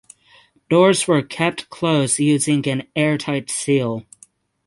Doors were kept closed using an airtight seal.